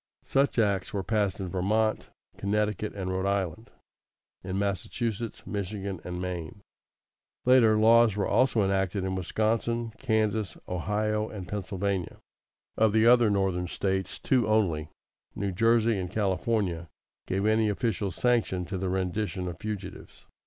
Such acts were passed in Vermont, Connecticut, and Rhode Island, in Massachusetts, Michigan, and Maine. Later, laws were also enacted in Wisconsin, Kansas, Ohio, and Pennsylvania. Of the other Northern States, two only, New Jersey and California, gave any official sanction to the rendition of fugitives.